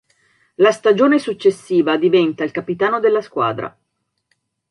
La stagione successiva diventa il capitano della squadra.